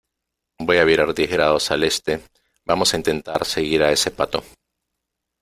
voy a virar diez grados al Este . vamos a intentar seguir a ese pato .